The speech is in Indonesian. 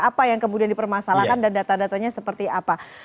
apa yang kemudian dipermasalahkan dan data datanya seperti apa